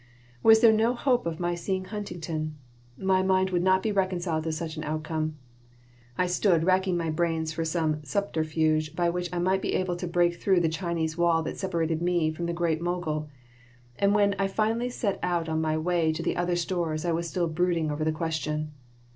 Was there no hope of my seeing Huntington? My mind would not be reconciled to such an outcome. I stood racking my brains for some subterfuge by which I might be able to break through the Chinese wall that separated me from the great Mogul, and when I finally set out on my way to other stores I was still brooding over the question.